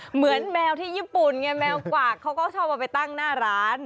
เหมือนแมวที่ญี่ปุ่นไงแมวกวากเขาก็ชอบเอาไปตั้งหน้าร้าน